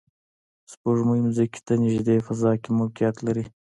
سپوږمۍ ځمکې ته نږدې فضا کې موقعیت لري